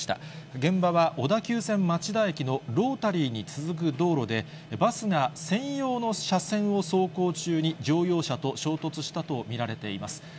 現場は小田急線町田駅のロータリーに続く道路で、バスが専用の車線を走行中に乗用車と衝突したと見られています。